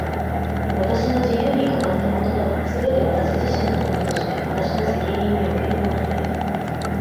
私が自由に語った言葉は、すべて私自身のものとして私の責任におけるものである。